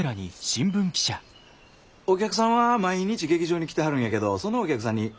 お客さんは毎日劇場に来てはるんやけどそのお客さんに何かひと言ある？